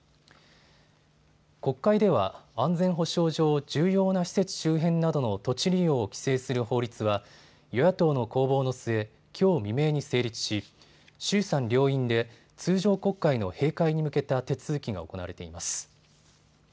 国会では安全保障上重要な施設周辺などの土地利用を規制する法律は与野党の攻防の末、きょう未明に成立し衆参両院で通常国会の閉会に向けた手続きが行われています。